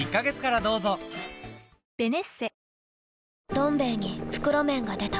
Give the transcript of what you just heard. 「どん兵衛」に袋麺が出た